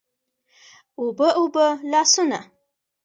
اوبه، اوبه لاسونه